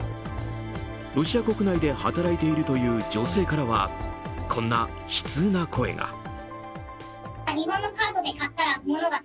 ロシア国内で働いているという女性からはこんな悲痛な声が。